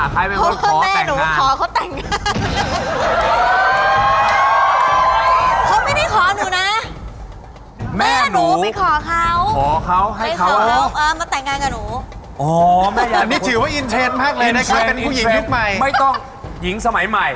เพราะแม่หนูขอเขาแต่งงาน